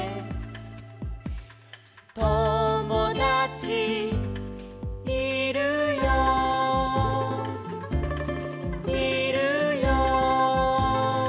「ともだちいるよいるよいるよ」